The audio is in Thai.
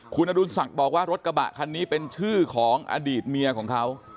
คุณอดุลศักดิ์บอกว่ารถกระบะคันนี้เป็นชื่อของอดีตเมียของเขา